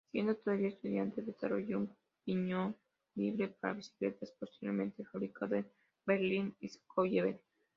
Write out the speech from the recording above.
Siendo todavía estudiante desarrolló un piñón libre para bicicletas, posteriormente fabricado en Berlín-Schöneberg.